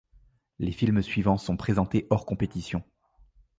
Les films suivants sont présentés hors compétition.